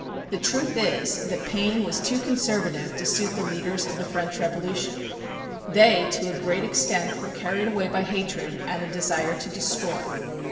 The truth is that Paine was too conservative to suit the leaders of the French Revolution. They, to a great extent, were carried away by hatred, and a desire to destroy.